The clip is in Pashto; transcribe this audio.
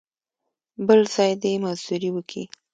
بل ځای دې مزدوري وکي.